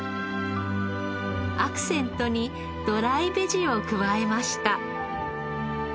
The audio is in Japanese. アクセントにドライベジを加えました。